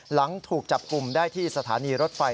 หลังถูกจับกลุ่มได้ที่สถานีรถไฟ